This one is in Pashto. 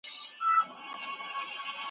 مطالعې ته په خپلو ورځنیو چارو کي وخت ورکړئ.